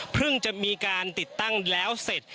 จะมีการติดตั้งแล้วเสร็จ